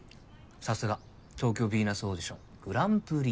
さすが「東京ヴィーナスオーディション」グランプリ。